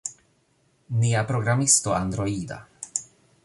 Nia programisto Androida